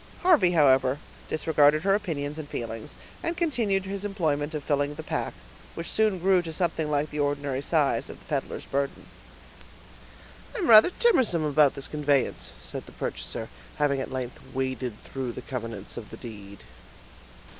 Harvey, however, disregarded her opinions and feelings, and continued his employment of filling the pack, which soon grew to something like the ordinary size of the peddler's burden. "I'm rather timersome about this conveyance," said the purchaser, having at length waded through the covenants of the deed.